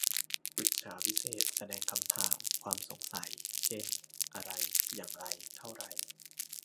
ปฤจฉาวิเศษณ์ แสดงคำถาม ความสงสัย เช่น อะไร อย่างไร เท่าไร